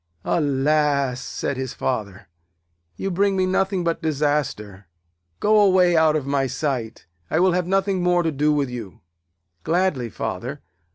'Alas!' said his Father, 'you bring me nothing but disaster. Go away out of my sight. I will have nothing more to do with you.' 'Gladly, Father.